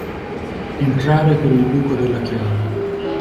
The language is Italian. Entrare per il buco della chiave.